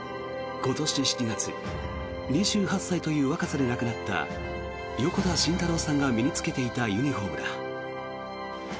今年７月、２８歳という若さで亡くなった横田慎太郎さんが身に着けていたユニホームだ。